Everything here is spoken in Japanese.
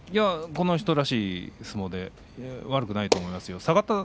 この人らしい相撲で悪くないと思いますね。